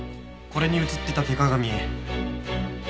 これに映ってた手鏡。